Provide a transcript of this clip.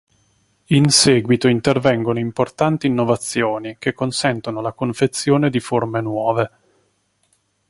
In seguito intervengono importanti innovazioni, che consentono la confezione di forme nuove.